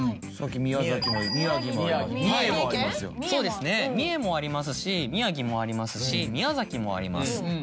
そうですね三重もありますし宮城もありますし宮崎もあります。